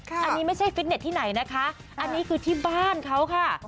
อันนี้ไม่ใช่ฟิตเน็ตที่ไหนนะคะอันนี้คือที่บ้านเขาค่ะ